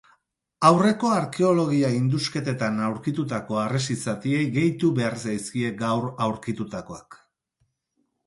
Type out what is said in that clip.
Aurreko arkeologia-indusketetan aurkitutako harresi zatiei gehitu behar zaizkie gaur aurkitutakoak.